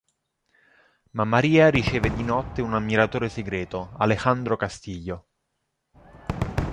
Ma Maria riceve di notte un ammiratore segreto, Alejandro Castillo.